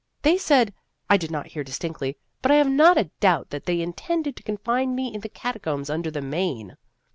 They said I did not hear distinctly, but I have not a doubt that they intended to confine me in the catacombs under the Main.